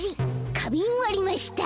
かびんわりました。